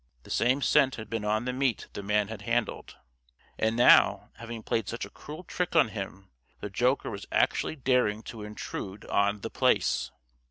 The same scent had been on the meat the man had handled. And now, having played such a cruel trick on him, the joker was actually daring to intrude on The Place!